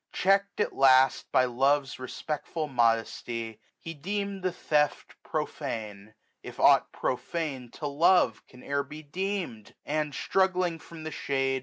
Check'd, at last, By love's refpectful modesty, he deem'd The theft profene, if aught profane to love 1335 Can e'er be deem'd ; and, struggling from the shade.